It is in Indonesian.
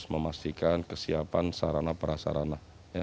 kita harus memastikan kesiapan sarana perasarana